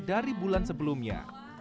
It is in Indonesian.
dari bulan sebelumnya